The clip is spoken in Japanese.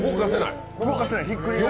動かせない。